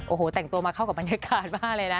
โอ้โหแต่งตัวมาเข้ากับบรรยากาศมากเลยนะ